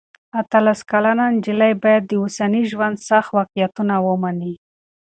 اتلس کلنه نجلۍ باید د اوسني ژوند سخت واقعیتونه ومني.